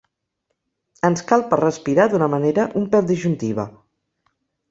Ens cal per respirar d'una manera un pèl disjuntiva.